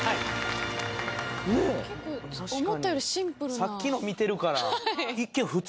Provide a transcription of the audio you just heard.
さっきの見てるから。